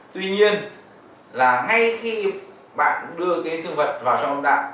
tuy nhiên là ngay khi bạn đưa cái dương vật vào trong đạng